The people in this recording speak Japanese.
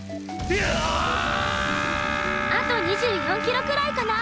あと２４キロくらいかな？